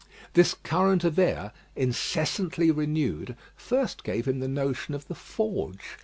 This current of air, incessantly renewed, first gave him the notion of the forge.